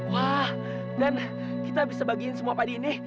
wah dan kita bisa bagiin semua padi ini